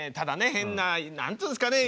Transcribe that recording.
変な何て言うんですかね